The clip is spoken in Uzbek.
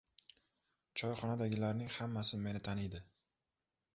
Choyxonadagilaming hammasi meni taniydi.